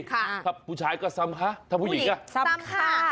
ค่ะถ้าผู้ชายก็สำค่าถ้าผู้หญิงก็สำค่า